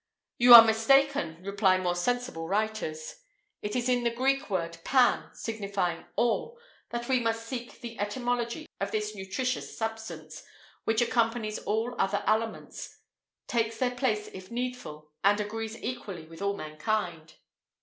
[IV 19] You are mistaken, reply more sensible writers; it is in the Greek word pan, signifying all, that we must seek the etymology of this nutritious substance, which accompanies all other aliments, takes their place if needful, and agrees equally with all mankind.